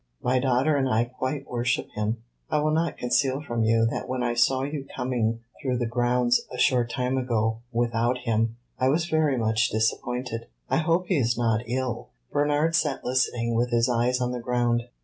My daughter and I quite worship him. I will not conceal from you that when I saw you coming through the grounds a short time ago without him I was very much disappointed. I hope he is not ill." Bernard sat listening, with his eyes on the ground.